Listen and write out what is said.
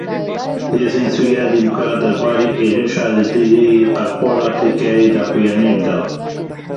Hêzên Sûriya Demokratîk derbarê êrişa li dijî qereqola Tirkiyeyê daxuyaniyek da.